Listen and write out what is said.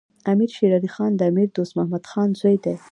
امیر شیر علی خان د امیر دوست محمد خان زوی دی.